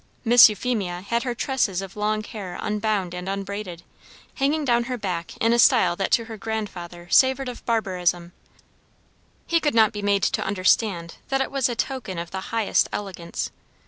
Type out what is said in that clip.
Miss Euphemia had her tresses of long hair unbound and unbraided, hanging down her back in a style that to her grandfather savoured of barbarism; he could not be made to understand that it was a token of the highest elegance.